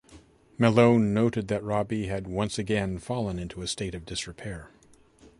Malone noted that Robby had once again fallen into a state of disrepair.